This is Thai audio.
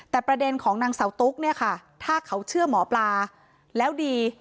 แต่ประเด็นของนางเสาตุ๊กเนี่ยค่ะถ้าเขาเชื่อหมอปลาแล้วดี